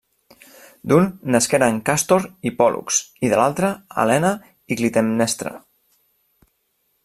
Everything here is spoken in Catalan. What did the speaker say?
D'un nasqueren Càstor i Pòl·lux i de l'altre, Helena i Clitemnestra.